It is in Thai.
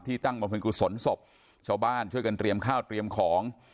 ตั้งบำเพ็ญกุศลศพชาวบ้านช่วยกันเตรียมข้าวเตรียมของ